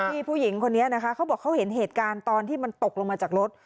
ผู้หญิงคนนี้นะคะเขาบอกเขาเห็นเหตุการณ์ตอนที่มันตกลงมาจากรถ